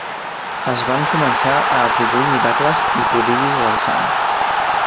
Es van començar a atribuir miracles i prodigis al sant.